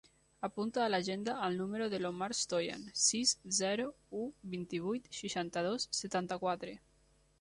Apunta a l'agenda el número de l'Omar Stoian: sis, zero, u, vint-i-vuit, seixanta-dos, setanta-quatre.